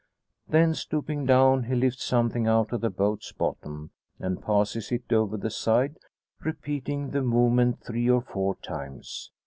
Then, stooping down, he lifts something out of the boat's bottom, and passes it over the side, repeating the movement three or four times.